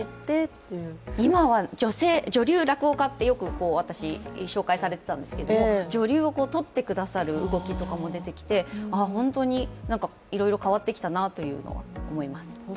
そうですね、今は女流落語家ってよく紹介されているんですけれども女流を取ってくださる動きとかも出てきて本当にいろいろ変わってきたなというのは思います。